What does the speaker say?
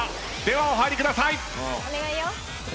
ではお入りください。